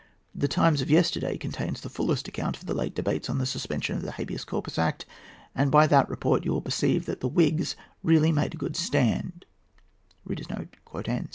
The 'Times' of yesterday contains the fullest account of the late debates on the suspension of the Habeas Corpus Act, and by that report you will perceive that the Whigs really made a good stand."